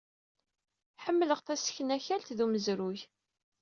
Ḥemmleɣ taseknakalt ed umezruy.